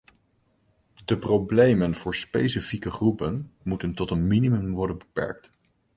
De problemen voor specifieke groepen moeten tot een minimum worden beperkt.